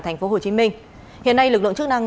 tp hcm hiện nay lực lượng chức năng